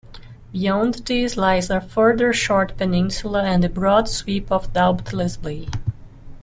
Beyond this lies a further short peninsula and the broad sweep of Doubtless Bay.